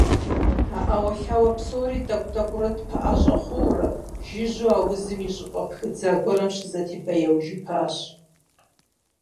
А Ӏэуэлъауэ псори тӀэкӀу-тӀэкӀуурэ тпэӀэщӀэ хъууэрэ, жыжьэу аузым и щӀыпӀэ пхыдза гуэрым щызэтебэяуэжыпащ.